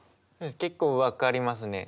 結構分かりますね。